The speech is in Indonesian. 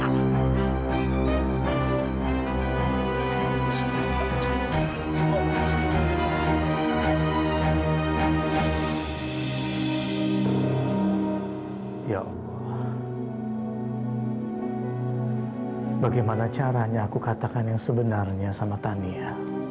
yallah bagaimana caranya aku katakan yang sebenarnya sama tania